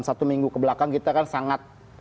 satu minggu kebelakang kita kan sangat